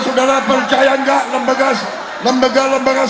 saya berterus koto ya kalau tidak xd